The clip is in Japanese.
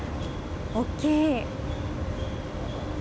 大きい！